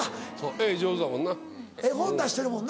絵上手だもんな。